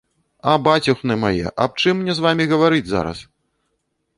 А бацюхны мае, аб чым мне з вамі гаварыць зараз?